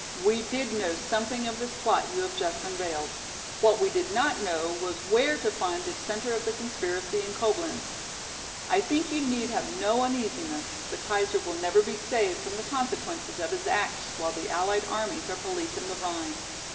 We did know something of this plot you have just unveiled. What we did not know was where to find the centre of the conspiracy in Coblenz. I think you need have no uneasiness, the Kaiser will never be saved from the consequences of his acts while the allied armies are policing the Rhine.